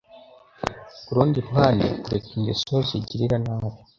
Ku rundi ruhande, kureka ingeso zigirira nabi